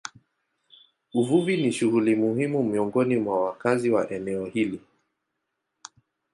Uvuvi ni shughuli muhimu miongoni mwa wakazi wa eneo hili.